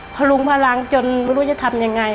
พลุงพลังจนไม่รู้จะทำยังไง